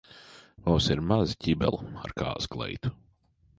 Mums ir maza ķibele ar kāzu kleitu.